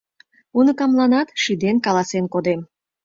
Уныкамланат шӱден-каласен кодем.